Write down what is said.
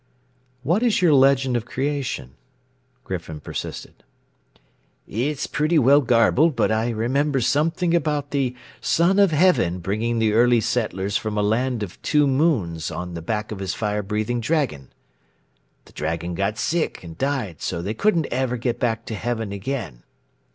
"What is your legend of creation?" Griffin persisted. "It's pretty well garbled but I remember something about the Son of Heaven bringing the early settlers from a land of two moons on the back of his fire breathing dragon. The dragon got sick and died so they couldn't ever get back to heaven again.